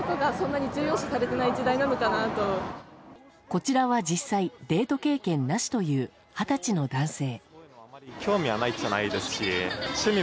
こちらは実際デート経験なしという二十歳の男性。